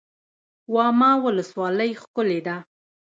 واما ولسوالۍ ښکلې ده؟